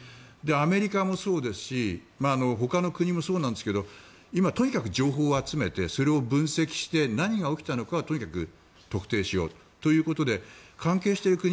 アメリカもそうですしほかの国もそうなんですけど今、とにかく情報を集めてそれを分析して何が起きたのかをとにかく特定しようということで関係している国